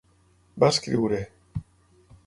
Va escriure.